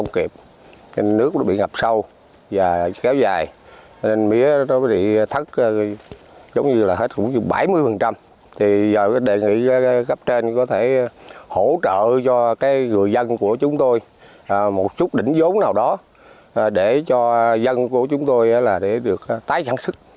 nước bị ngập sâu dẫn đến mía bị chết đến bảy mươi diện tích